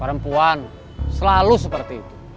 perempuan selalu seperti itu